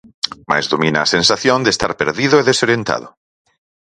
Mais domina a sensación de estar perdido e desorientado.